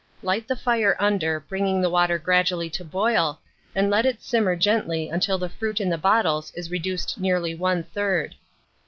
Light the fire under, bring the water gradually to boil, and let it simmer gently until the fruit in the bottles is reduced nearly one third.